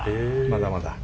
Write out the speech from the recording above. まだまだ。